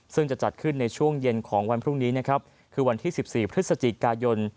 ซึ่งจะจัดขึ้นในช่วงเย็นของวันพรุ่งนี้นะครับคือวันที่๑๔พฤศจิกายน